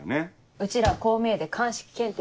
うちらこう見えて鑑識検定